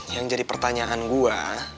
yang jadi pertanyaan gue